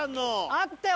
あったよ